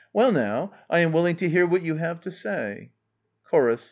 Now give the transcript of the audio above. Well, I am curious to hear what you have to say. CHORUS.